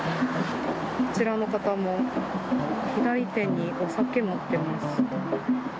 こちらの方も、左手にお酒持ってます。